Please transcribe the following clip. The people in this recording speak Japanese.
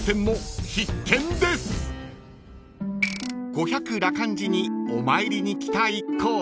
［五百羅漢寺にお参りに来た一行］